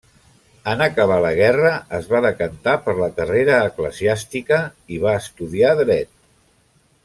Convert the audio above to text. En acabar la guerra es va decantar per la carrera eclesiàstica i va estudiar dret.